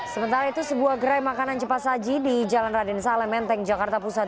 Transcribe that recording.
sementara itu sebuah gerai makanan cepat saji di jalan raden saleh menteng jakarta pusat